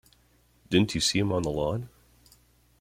Didn't you see him on the lawn?